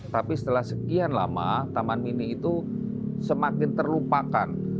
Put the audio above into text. tapi setelah sekian lama taman mini itu semakin terlupakan